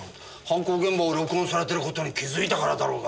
犯行現場を録音されてる事に気づいたからだろうが。